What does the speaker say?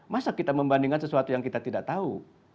masa kita membandingkan sesuatu yang kita tidak tahu